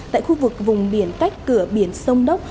tại khu vực vùng biển cách cửa biển sông đốc